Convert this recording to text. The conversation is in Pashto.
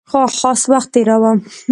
خاص وخت تېراوه.